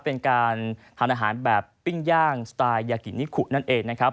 เป็นการทานอาหารแบบปิ้งย่างสไตล์ยากินิคุนั่นเองนะครับ